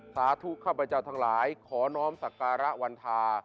สาธุข้าพเจ้าทั้งหลายขอน้อมสักการะวันทา